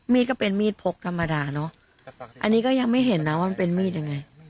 ก็เป็นมีดพกธรรมดาเนอะอันนี้ก็ยังไม่เห็นนะว่ามันเป็นมีดยังไง